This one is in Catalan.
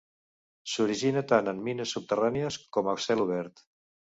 S'origina tant en mines subterrànies com a cel obert.